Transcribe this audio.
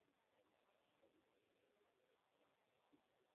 وجدناه حيا.